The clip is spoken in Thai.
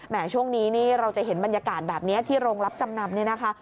แม้ช่วงนี้เราจะเห็นบรรยากาศแบบนี้ที่โรงลับจำนำ